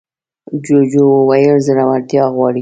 جوجو وویل زړورتيا غواړي.